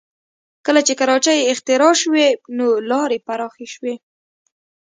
کله چې کراچۍ اختراع شوې نو لارې پراخه شوې